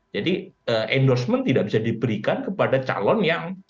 jadi endorsement tidak bisa diberikan kepada calon yang